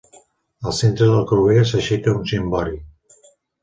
Al centre del creuer s'aixeca un cimbori.